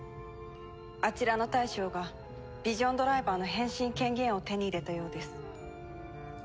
あちらの大将がヴィジョンドライバーの変身権限を手に入れたようです。